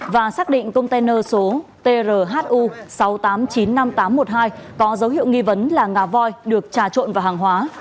và xác định container số thu sáu mươi tám nghìn chín mươi năm nghìn tám trăm một mươi hai có dấu hiệu nghi vấn là ngà voi được trà trộn vào hàng hóa